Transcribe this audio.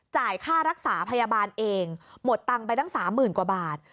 จ่ายค่ารักษาพยาบาลเองหมดตังค์ไปตั้ง๓๐๐๐กว่าบาท